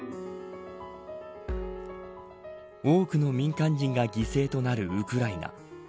多くの民間人が犠牲となるウクライナ